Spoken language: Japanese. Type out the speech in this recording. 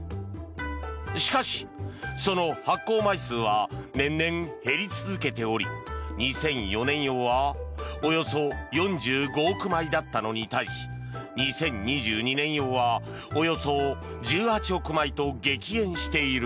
しかし、その発行枚数は年々減り続けており２００４年用はおよそ４５億枚だったのに対し２０２２年用はおよそ１８億枚と激減している。